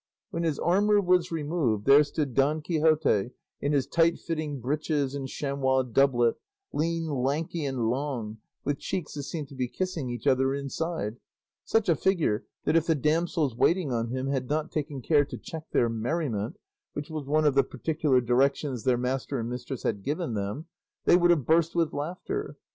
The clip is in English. When his armour was removed, there stood Don Quixote in his tight fitting breeches and chamois doublet, lean, lanky, and long, with cheeks that seemed to be kissing each other inside; such a figure, that if the damsels waiting on him had not taken care to check their merriment (which was one of the particular directions their master and mistress had given them), they would have burst with laughter.